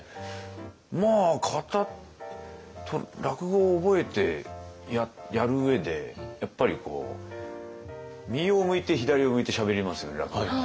まあ型落語を覚えてやる上でやっぱり右を向いて左を向いてしゃべりますよね落語って。